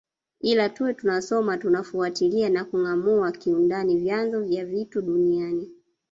Ila tuwe tunasoma tunafuatilia na kungâamua kiundani vyanzo vya vitu duniani